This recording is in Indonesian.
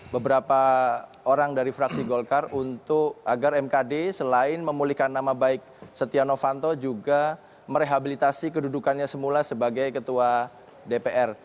beberapa orang dari fraksi golkar untuk agar mkd selain memulihkan nama baik setia novanto juga merehabilitasi kedudukannya semula sebagai ketua dpr